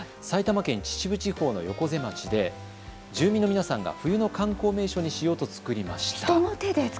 埼玉県秩父地方の横瀬町で住民の皆さんが冬の観光名所にしようと作りました。